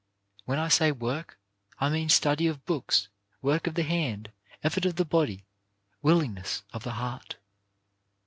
When I say work, I mean study of books, work of the hand, effort of the body, willingness of the heart.